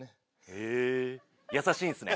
へぇ優しいんですね。